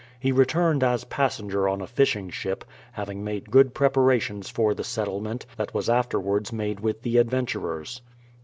He returned as passenger on a fishing ship, having made good preparations for the settlement that was afterwards made with the adventurers.